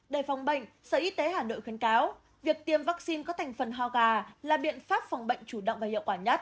để phòng bệnh sở y tế hà nội khuyến cáo việc tiêm vaccine có thành phần ho gà là biện pháp phòng bệnh chủ động và hiệu quả nhất